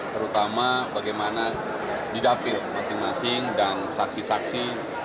terutama bagaimana didapit masing masing dan saksi saksi